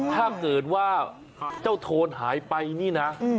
ถ้าเกิดว่าเจ้าโทนหายไปนี่นะ